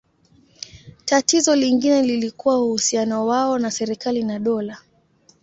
Tatizo lingine lilikuwa uhusiano wao na serikali na dola.